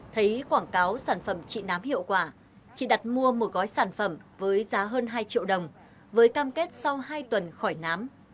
thấy quảng cáo sản phẩm trị nám hiệu quả chị đặt mua một gói sản phẩm với giá hơn hai triệu đồng với cam kết sau hai tuần khỏi nám